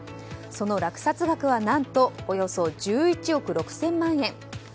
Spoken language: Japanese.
その落札額は何とおよそ１１億６０００万円。